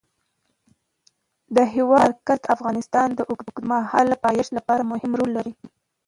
د هېواد مرکز د افغانستان د اوږدمهاله پایښت لپاره مهم رول لري.